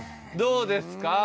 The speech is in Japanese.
どうですか？